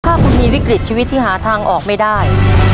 ถ้าคุณมีวิกฤตชีวิตที่หาทางออกไม่ได้